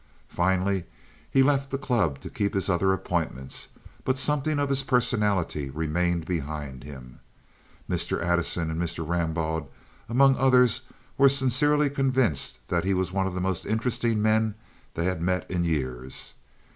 Finally he left the club to keep his other appointments, but something of his personality remained behind him. Mr. Addison and Mr. Rambaud, among others, were sincerely convinced that he was one of the most interesting men they had met in years.